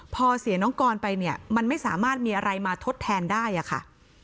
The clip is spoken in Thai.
พอเสียน้องกรไปเนี่ยมันไม่สามารถมีอะไรมาทดแทนได้อะค่ะ